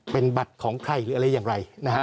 เป็นบัตรของใครหรืออะไรอย่างไรนะฮะ